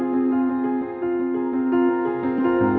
orang yang tadi siang dimakamin